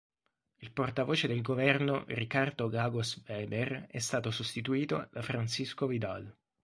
Il portavoce del governo Ricardo Lagos Weber è stato sostituito da Francisco Vidal.